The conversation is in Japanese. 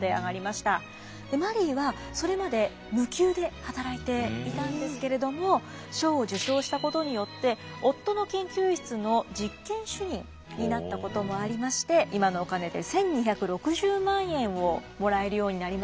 マリーはそれまで無給で働いていたんですけれども賞を受賞したことによって夫の研究室の実験主任になったこともありまして今のお金で１，２６０万円をもらえるようになりました。